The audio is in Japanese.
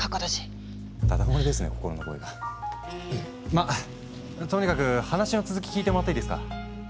まっとにかく話の続き聞いてもらっていいですか？